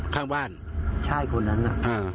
ข้างบ้านใช่คนนั้นน่ะ